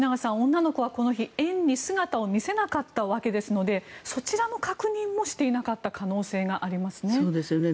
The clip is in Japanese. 女の子はこの日園に姿を見せなかったわけですのでそちらの確認もしていなかった可能性がありますね。